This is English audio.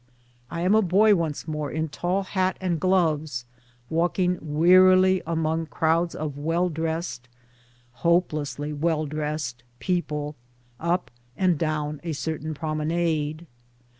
I am a boy once more in tall hat and gloves walking wearily among crowds of well dressed (hopelessly well dressed) people, up and down a certain promenade.